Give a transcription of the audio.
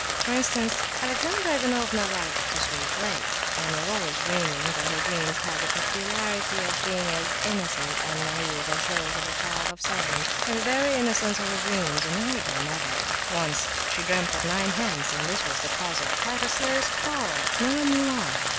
For instance, Alexandra Ivanovna liked to sleep late, and was always dreaming, though her dreams had the peculiarity of being as innocent and naive as those of a child of seven; and the very innocence of her dreams annoyed her mother. Once she dreamt of nine hens, and this was the cause of quite a serious quarrel—no one knew why.